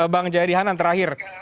bang jarihanan terakhir